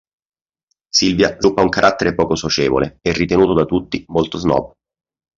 Silvia sviluppa un carattere poco socievole e ritenuto da tutti molto snob.